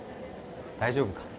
大丈夫か？